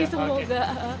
ya semoga sih semoga